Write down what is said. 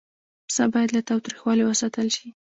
پسه باید له تاوتریخوالي وساتل شي.